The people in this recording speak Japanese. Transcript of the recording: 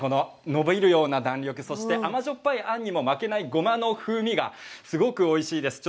伸びるような弾力甘じょっぱいあんにも負けないごまの風味がすごくおいしいです。